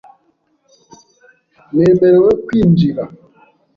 Nemerewe kwinjira?